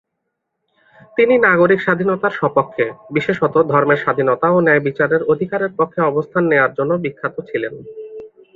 তিনি নাগরিক স্বাধীনতার স্বপক্ষে, বিশেষত ধর্মের স্বাধীনতা ও ন্যায়বিচারের অধিকারের পক্ষে অবস্থান নেয়ার জন্য বিখ্যাত ছিলেন।